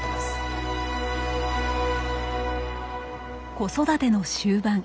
子育ての終盤。